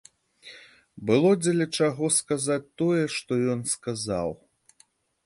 Было дзеля чаго сказаць тое, што ён сказаў.